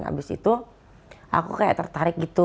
abis itu aku kayak tertarik gitu